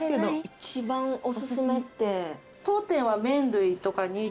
一番おすすめって？